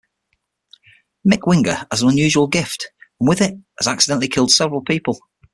Mick Winger has an unusual gift and with it has accidentally killed several people.